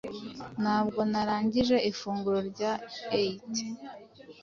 Ntabwo narangije ifunguro rya aita